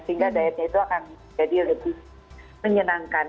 sehingga dietnya itu akan jadi lebih menyenangkan